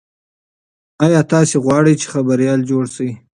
ایا تاسي غواړئ چې خبریال جوړ شئ؟